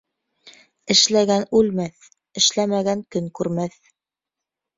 Эшләгән үлмәҫ, эшләмәгән көн күрмәҫ.